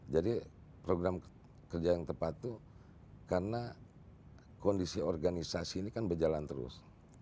jadi program kerja yang tepat itu karena kondisi organisasi ini kan berjalan terus